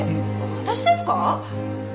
私ですか？